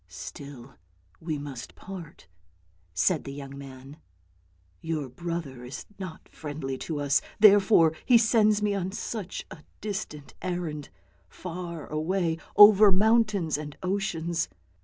" Still, we must part," said the young man: " your brother is not friendly to us, therefore he sends me on such a distant errand, far away over mountains and oceans.